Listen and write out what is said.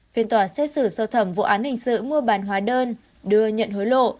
phiên tòa xét xử sơ thẩm vụ án hình sự mua bán hóa đơn đưa nhận hối lộ